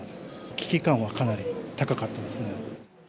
危機感はかなり高かったですね。